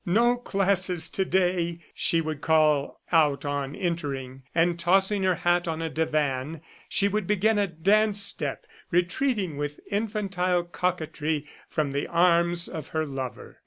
"No classes to day!" she would call out on entering; and tossing her hat on a divan, she would begin a dance step, retreating with infantile coquetry from the arms of her lover.